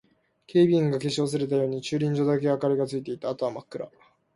警備員が消し忘れたように駐輪場だけ明かりがついていた。あとは真っ暗。